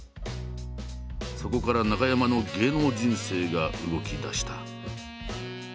そこから中山の芸能人生が動きだした。